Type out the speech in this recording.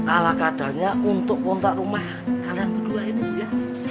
alah kadarnya untuk kontak rumah kalian berdua ini ya